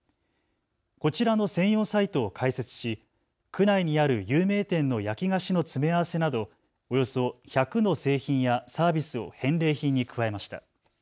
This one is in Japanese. こちらの専用のサイトを開設し区内にある有名店の焼き菓子の詰め合わせなどおよそ１００の製品やサービスを返礼品に加えました。